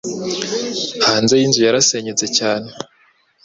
Hanze yinzu yarasenyutse cyane